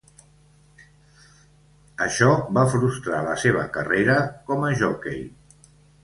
Això va frustrar la seva carrera com a jockey.